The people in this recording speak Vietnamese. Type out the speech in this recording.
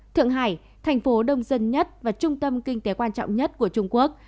thượng hải thành phố đông dân nhất và trung tâm kinh tế quan trọng nhất của trung quốc